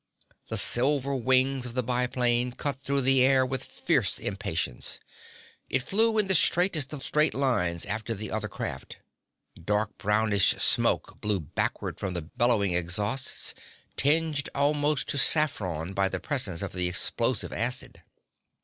The silvery wings of the biplane cut through the air with fierce impatience. It flew in the straightest of straight lines after the other craft. Dark brownish smoke blew backward from the bellowing exhausts, tinged almost to saffron by the presence of the explosive acid.